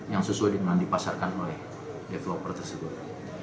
yang sesuai dengan dipasarkan oleh developer tersebut